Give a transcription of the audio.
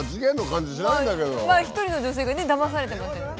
まあ一人の女性がねだまされてますよね。